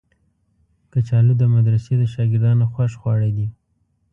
کچالو د مدرسې د شاګردانو خوښ خواړه دي